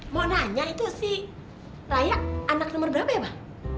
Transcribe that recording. mau nanya itu si raya anak nomor berapa ya abah